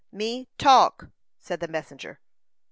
"Me talk," said the messenger.